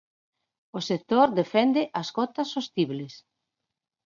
O sector defende as cotas sostibles.